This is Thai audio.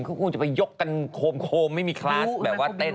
เขาคงจะไปยกกันโคมไม่มีคลาสแบบว่าเต้น